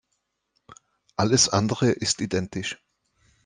Alles andere ist identisch.